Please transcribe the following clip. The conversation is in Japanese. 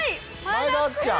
前田あっちゃん。